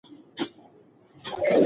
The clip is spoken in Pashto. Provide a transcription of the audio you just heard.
په انټرنیټ کې پښتو محتوا زیاته کړئ.